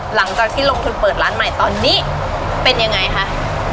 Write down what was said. หลังจากที่ลงทุนเปิดร้านใหม่ตอนนี้เป็นยังไงคะ